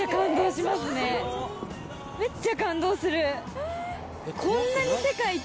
めっちゃ感動する。